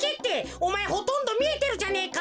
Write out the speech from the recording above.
おまえほとんどみえてるじゃねえか。